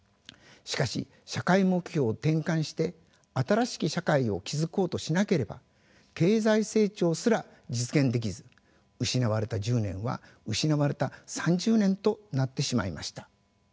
しかし社会目標を転換して新しき社会を築こうとしなければ経済成長すら実現できず失われた１０年は失われた３０年となってしまいました。